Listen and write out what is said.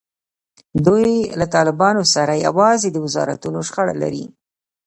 دوی له طالبانو سره یوازې د وزارتونو شخړه لري.